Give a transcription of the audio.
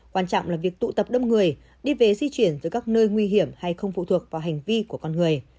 quan trọng là việc tụ tập đông người đi về di chuyển tới các nơi nguy hiểm hay không phụ thuộc vào hành vi của con người